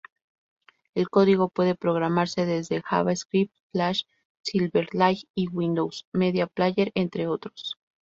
El código puede programarse desde: JavaScript, Flash, Silverlight y Windows Media Player entre otros.